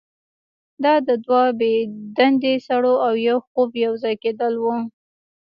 دا د دوه بې دندې سړو او یو خوب یوځای کیدل وو